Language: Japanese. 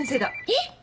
えっ！